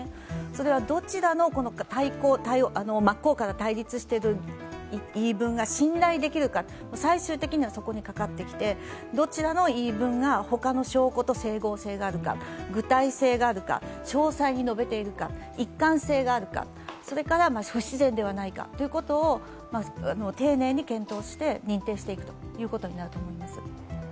それはどちらの真っ向から対立している言い分が信頼できるか、最終的にはそこにかかってきてどちらの言い分が他の証拠と整合性があるか具体性があるか、詳細に述べているか、一貫性があるか、不自然ではないかということを丁寧に検討して認定していくということになると思います。